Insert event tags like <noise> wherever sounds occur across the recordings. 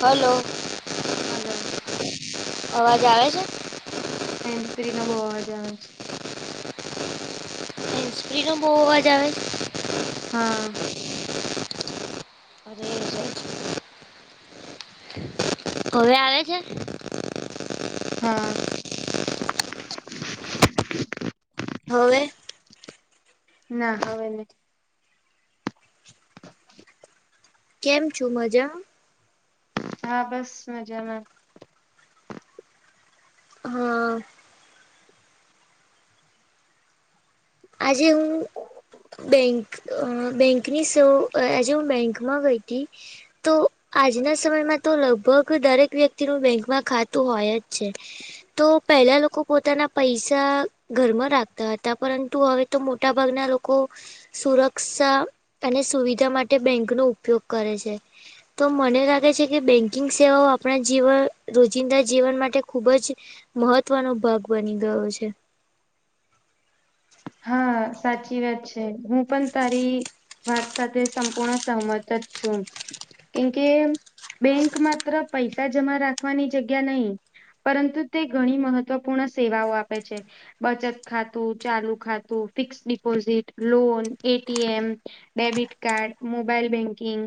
Hello. Hello. અવાજ આવે છે. હેન્સપ્રી નો બહુ અવાજ આવે છે. હેન્સપ્રી નો બહુ અવાજ આવે છે. હા. અરે હવે આવે છે. હા. હવે. ના હવે નહી. <inaudible> કેમ છું મજા. હા બસ મજામાં. હા. આજે હું બેંક બેંકની સ આજે હું બેંકમાં ગઈ હતી તો આજના સમયમાં તો લગભગ દરેક વ્યક્તિનું બેંકમાં ખાતું હોય જ છે. તો પહેલા લોકો પોતાના પૈસા ઘરમાં રાખતા હતા પરંતુ ત હવે તો મોટા ભાગના લોકો સુરક્ષા અને સુવિધા માટે બેંકનોો ઉપયોગ કરે છે. તો મને લાગે છે કે બેન્કિંગ સેવાઓ આપણા જીવન રોજિંદા જીવન માટે ખૂબ જ મહત્વનો ભાગ બની ગયો છે. હા સાચી વાત છે હું પણ તારી વાત સાથે સંપૂર્ણ સહમત જ છું. કેમકે બેંક માત્ર પૈસા જમા રાખવાની જગ્યા નહી, પરંતુ તે ઘણી મહત્વપૂર્ણ સેવાઓ આપે છે બચત ખાતું ચાલુ ખાતું ફિક્ deposit loan ATM debit card mobile banking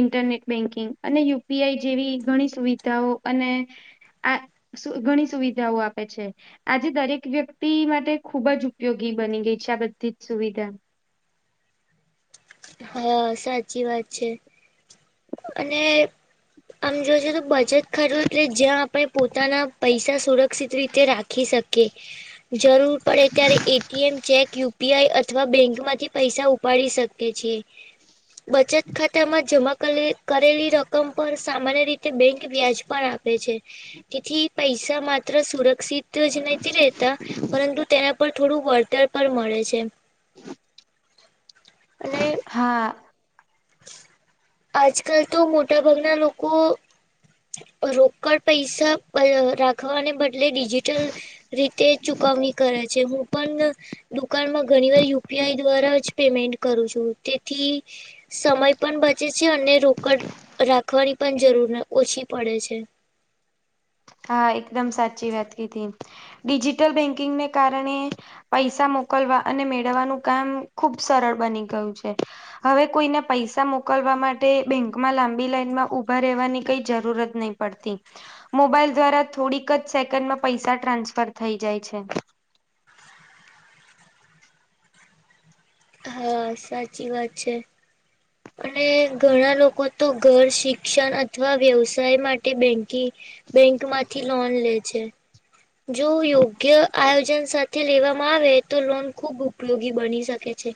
internet banking અને યુપીઆઈ જેવી ઘણી સુવિધાઓ અને આ ઘણી સુવિધાઓ આપે છે આજે દરેક વ્યક્તિ માટે ખુબ જ ઉપયોગી બની ગઈ બધી જ સુવિધા હા સાચી વાત છે અને આમ જો બચત ખર્ એટલે જ્યાં આપડે પોતાના પૈસા સુરક્ષિત રીતે રાખી શકે. જરૂર પડે ત્યારે એટીએમ ચેકયુ પીઆઈ અથવા બેંક માંથી પૈસા ઉપાડી શકે છે. બચત ખાતામાં જમા કરેલી રકમ પર સામાન્ય રીતે બેંક વ્યાજ પણ આપે છે. તેથી પૈસા માત્ર સુરક્ષિત તે જ નહથી રહેેતા પરંતુ તેના પર થોડું વળતર પણ મળે છે. અને હા. આજકાલ તો મોટા ભાગના લોકો રોકડ પૈસા રાખવાને બદલે ડિજિટલ રીતે ચુકવણી કરે છે હું પણ દુકાનમાં ઘણી વાર યુપીઆઈ દ્વારા જ પેમેન્ટ કરું છું તેથી સમય પણ બચે છે અને રોકડ રાખવાની પણ જરૂર ઓછી પડે છે. હા એકદમ સાચી વાત ક હતી ડિજિટલ બેંકિંગને કારણે પૈસા મોકલવા અને મેળવવાનું કામ ખુબ સરળ બની ગયું છે. હવે કોઈને પૈસા મોકલવા માટે બેંકમાં લાંબી લાઈનમાં ઉઊભા રહેવાની કઈ જરૂરત નહી. મોબાઈલ દ્વારા થોડીક જ સેકન્ડમાં પૈસા ટ્રાન્સફર થઈ જાય છે. હા સાચી વાત છે અને ઘણા લોકો તો ઘર શિક્ષણ અથવા વ્યવસાય માટે બેંક બેંક માંથી લોન જો યોગ્ય આયોજન સાથે જે લેવામાં આવે તો લોન ખુબ ઉપયોગી બની શકે છે.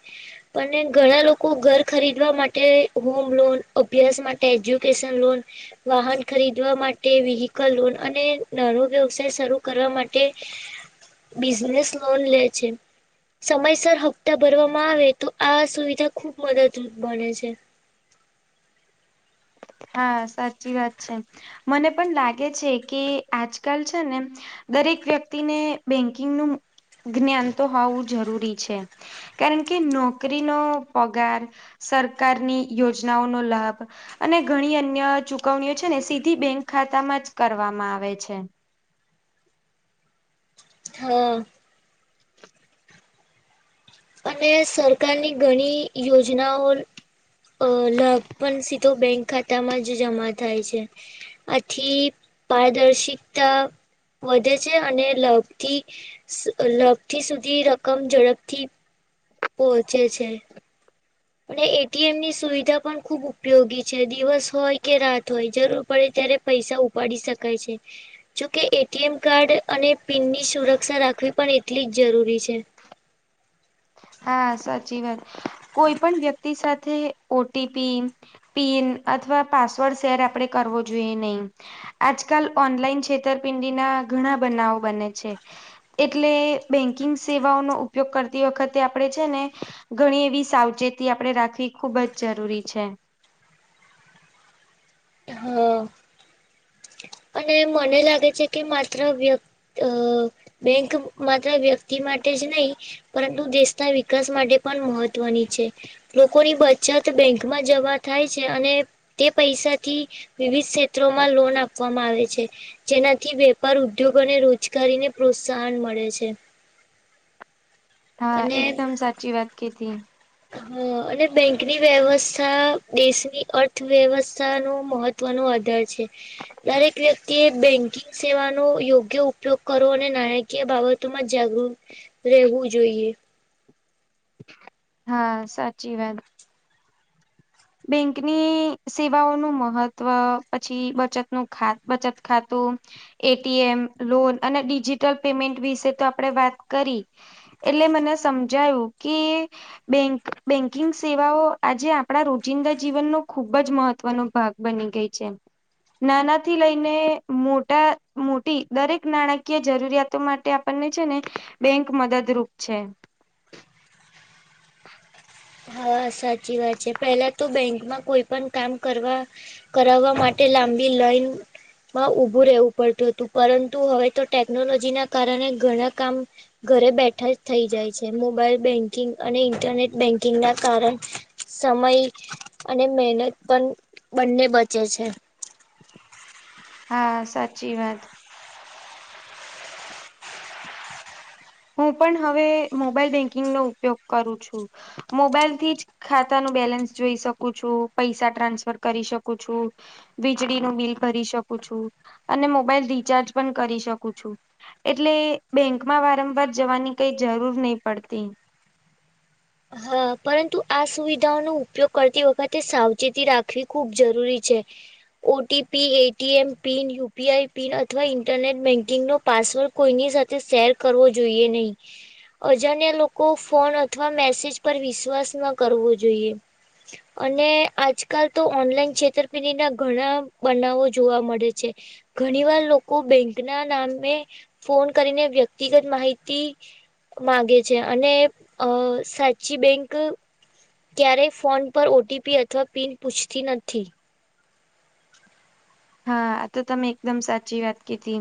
અને ઘણા લોકો ઘર ખરીદવા માટે હોમ લોન અભ્યાસ માટે એજ્યુકેશન લોન વાહન ખરીદવા માટે વહકલ લોન અને નારો વ્યવસાય શરૂ કરવા માટે બિઝનેસ લોન લે છે. સમયસર હપ્તા ભરવામાં આવે તો આ સુવિધા ખુબ મદદરૂપ બને છે. હા સાચી વાત છે મને પણ લાગે છે કે આજકાલ છે ને દરેક વ્યક્તિને બેંકિંગનું જ્ઞાન તો હોવું જરૂરી છે. કારણ કે નોકરીનો પગાર સરકારની યોજનાઓ નો લાભ અને ઘણી અન્ય ચુકવણીઓ છે ને સીધી બેંક ખાતા માં જ કરવામાં આવે છે. હા. અને સરકારની ઘણી યોજનાઓ અ લભ પણ સીધો બેંક ખાતામાં જ જમા થાય છે. આથી પારદર્શિકતા વધે છે અને લગથી લગથી સુધી રકમ ઝડપથી પહોંચે છે પણ એટીએમ ની સુવિધા પણ ખુબ ઉપયોગી છે દિવસ હોય કે રાત હોય જરૂર પડે ત્યારે પૈસા ઉપાડી શકાય છે જોકે એટીએમ કાર્ડ અને પીનની સુરક્ષા રાખવી પણ એટલી જ જરૂરી છે. હા સાચી વાત કોઈ પણ વ્યક્તિ સાથે ઓટીપી પીન અથવા પાસવર્ડ શેર આપે કરવો જોઈએ નહી આજકાલ ઓનલાઈન છેતરપિંડીના ઘણા બનાવો બને છે. એટલે બેંકિંગ સેવાઓ નો ઉપયોગ કરતા તી વખતે આપડણે છે ને ઘણી એવી સાવચેતી આપણે રાખવી ખુબ જ જરૂરી છે. હા અને મને લાગે છે કે માત્ર વ્યક્તિ અ બેંક માત્ર વ્યક્તિ માટે જ નહી પરંતુ દેશના વિકાસ માટે પણ મહત્વની છે. લોકોની બચત બેંક માં જમા થાય છે અને તે પૈસા થી વિવિધ ક્ષેત્રોમાં લોન આપવામાં આવે છે. જેનાથી વેપાર ઉદ્યોગોને રોજગારીને પ્રોત્સાહન મળે છે. <inaudible> હા એકદમ સાચી વાત કતી હ અને બેંકની વ્યવસ્થા દેશની અર્થવ્યવસ્થા નું મહત્વ મહ ન આધાર છે દરેક વ્યક્તિ એ બેંકિંગ સેવાનો યોગ્ય ઉપયોગ કરો અને નાણાકીય બાબતોમાં જાગૃ રહેવું જોઈએ હા સાચી વાત બેંકની સેવાઓનું મહત્ત્વ પછી બચત નું ખા બચત ખાતું એટીએમ લોન અને ડિજિટલ પેમેન્ટ વિશે તો આપડે વાત કરી એટલે મને સમજાયું કે બે બેંકિંગ સેવાઓ આજે આપણા ર જિંદા જીવનનોો ખુબ જ મહત્વનો ભાગ બની ગઈ છે. નાનાથી લઈને મોટા મોટી દરેક નાણાકીય જરૂરિયાતો માટે ને છે ને બેંક મદદરૂપ છે. હા સાચી વાત છે પેલા તો બેંકમાં કોઈ પણ કામ કરવા કરાવવા માટે લાંબી લઇન માં ઉભું રહેવું પડતું હતું પરંતુ હવે તો ટેકનોલોજી ના કારણે ઘણા કામ ઘરે બેઠા જ થઇ જાય છે મોબાઈલ બેન્કિંગ અને ઇન્ટરનેટ બેંકિ ના કારણ સમય અને મહેનત પણ બંને બચે છે. હા સાચી વાત હું પણ હવે મોબાઈલ બેંકિંગનોો ઉપયોગ કરું છું મોબાઈલ થી જ ખાતા નું બેલેન્સ જોઈ શકું છું પૈસા ટ્રાન્સફર કરી શકું છું. વીજળીનું બિલ ભરી શકું છું અને મોબાઈલ રિચાર્જ પણ કરી શકું છું. એટલે બેંકમાં વારંવાર જવાની કઈ જરૂર નહી પડતી હા પરંતુ આ સુવિધાઓનો ઉપયોગ કરતી વખતે સાવચેતી રાખવી ખૂબ જરૂરી છે. OTP ATM pin UPI pin અથવા ઇન્ટરનેટ બેંકિંગ નો પાસવર્ડ કોઈની સાથે શેર કરવો જોઈએ નહી અજાણ્યા લોકો ફોન અથવા મેસેજ પર વિશ્વાસ ન કરવો જોઈએ અને આજકાલ તો ઓનલાઈન છેતરપિંડી ના ઘણા બનાવો જોવા મળે છે. ઘણી વાર લોકો બેંક ના નામે ફોન કરીને વ્યક્તિગત માહિતી માગે છે અને અ સાચ ચી બેંક ક્યારેય ફોન પર ઓ ટી પી અથવા પિન પૂછતી નથી હા આ તો તમે એકદમ સાચી વાત કીધી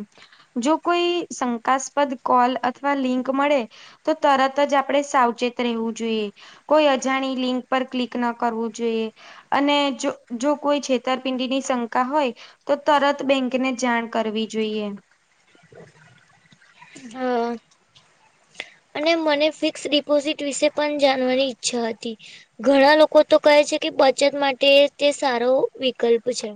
જો કોઈ શંકાસ્પદ કોલ અથવા લિંક મળે તો તરત જ આપણે સાવચેત રહેવું જોઈએ કોઈ અજાણી લિંક પર ક્લિક ના કરવું જોઈએ અને જો જો કોઈ છેતરપિંડી ની શંકા હોય તો તરત બેંકને જાણ કરવી જોઈએ હ હ. અને મને ફિક્સ ડિપોઝિટ વિશે પણ જાણવાની ઈચ્છા હતી ઘણા લોકો તો કહે છે કે બચત માટે તે સારો વિકલ્પ છે.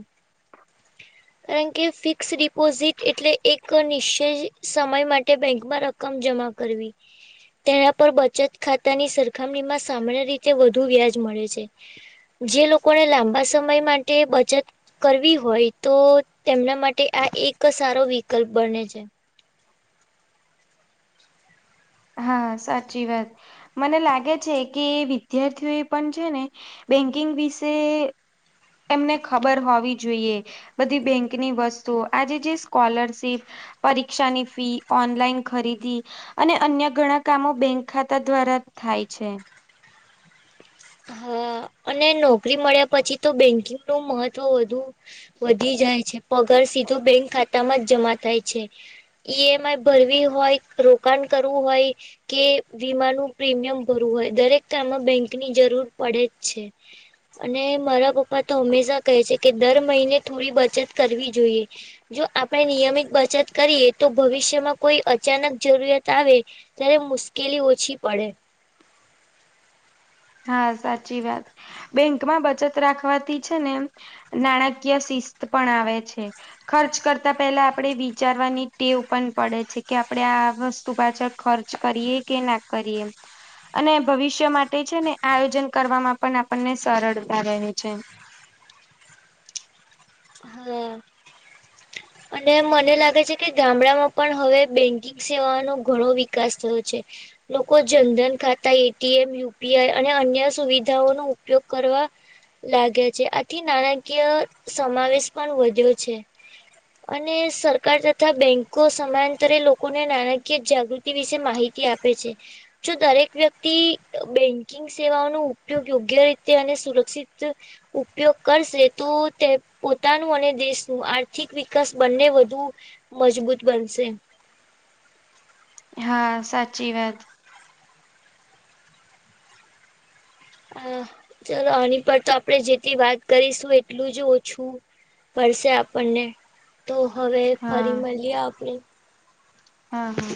કારણ કે ફિક્સ ડિપોઝિટ એટલે એક નિશ્ચય સમય માટે બેંકમાં રાખ ક્કમ જમા કરવી તેના પર બચત ખાતાની સરખામણીમાં સામાન્ય રીતે વધુ વ્યાજ મળે છે. જે લોકોને લાંબા સમય માટે બચત કરવી હોય હોય તો તેમના માટે આ એક સારો વિકલ્પ બને છે. હા સાચી વાત મને લાગે છે કે વિદ્યાર્થીઓ એ પણ છે ને બેન્કિંગ વિશે એમને ખબર હોવી જોઈએ બધી બેંકની વસ્તુ આજે જે સ્કોલરશીપ પરીક્ષાની ફી ઓનલાઈન ખરીદી અને અન્ય ઘણા કામો બેંક ખાતા દ્વારા થાય છે. હ અને નોકરી મળ્યા પછી તો બેંકિંગ નું મહત્વ વધુ વધી જાય છે પગાર સીધો બેંક ખાતામાં જ જમા થાય છે. ઈ એમ આઈ ભરવી હોય રોકાણ કરવું હોય કે વીમાનું પ્રીમિયમ ભરવું હોય દરેક કમાં બેંકની જરૂર પડે જ છે અને મારા પપ્પા તો હંમેશા કહે છે કે દર મહિને થોડી બચત કરવી જોઈએ જો આપણે નિયમિત બચત કરીએ તો ભવિષ્યમાં કોઈ અચાનક જરૂરિયાત આવે ત્યારે મુશ્કેલી ઓછી પડે હા સાચી વાત બેંકમાં બચત રાખવાથી છે ને નાણાકીય શિસ્ત પણ આવે છે. ખર્ચ કરતા પેલા આપણેે વિચારવાની ટેવ પણ પડે છે કે આપડે આ વસ્તુ પાછળ ખર્ચ કરી કે ના કરીએ અને ભવિષ્ય માટે છે ને આયોજન કરવામાં પણ આપણને સરળતા રહે છે. હમ્મ અને મને લાગે છે કે ગામડામાં પણ હવે બેંકિંગ સેવાનો ઘણો વિકાસ થયો છે. લોકો જનધન ખાતા A T M U P I અને અન્ય સુવિધાઓનો ઉપયોગ કરવા લાગે છે આથી નાણાકીય સમાવેશ પણ વધ્યો છે. અને સરકાર તથા બેંકો સમાંતરે લોકોને નાણાકીય જાગૃ વિશે માહિતી આપે છે જો દરેક વ્યક્તિ બેનકી સેવાનો ઉપયોગ યોગ્ય રીતે અને સુરક્ષિત ઉપયોગ કરશે તો તે પોતાનું અને દેશનું આર્થિક વિકાસ બંને વધુ મજબૂત બનશે હા સાચી વાત હા ચલો આની પર તો આપડણે જેટલી વાત કરીશું એટલું જ ઓછું પડશે આપણને તો હવે હા ફરી મળીએ આપણે હા હા.